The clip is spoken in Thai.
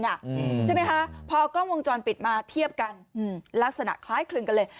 ใช่ไหมคะพอกล้องวงจรปิดมาเทียบกันอืมลักษณะคล้ายคลึงกันเลย